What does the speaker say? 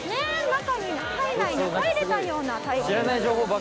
中に体内に入れたような体験が。